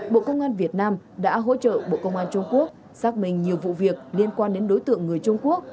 bộ công an việt nam đã hỗ trợ bộ công an trung quốc xác minh nhiều vụ việc liên quan đến đối tượng người trung quốc